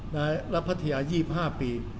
และพัทยา๒๕ปี